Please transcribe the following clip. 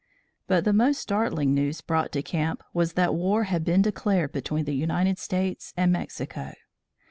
But the most startling news brought to camp was that war had been declared between the United States and Mexico.